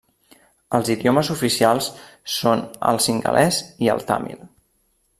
Els idiomes oficials són el cingalès i el tàmil.